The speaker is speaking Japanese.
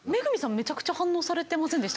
めちゃくちゃ反応されてませんでした？